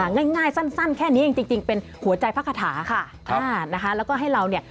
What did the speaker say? อ๋อง่ายสั้นแค่นี้จริงเป็นหัวใจพักฐาค่ะแล้วก็ให้เราเนี่ย